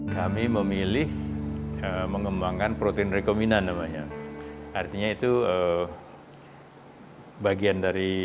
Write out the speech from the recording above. kita akan mencintai suatu vaksinium untuk mencintai suatu vaksin